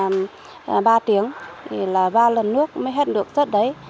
lần thứ ba thì là ba tiếng thì là ba lần nước mới hết được chất đấy